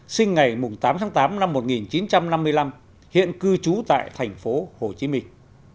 sinh ngày tám tháng tám năm một nghìn chín trăm năm mươi năm hiện cư trú tại thành phố hồ chí minh